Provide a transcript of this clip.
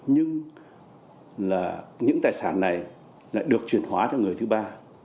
nhưng là những tài sản này lại được chuyển hóa cho người thứ ba